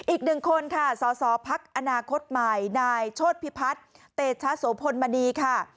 อีกหนึ่งคนค่ะสสพักอนาคตใหม่นายโชธพิพัฒน์เตชะโสพลมณีค่ะ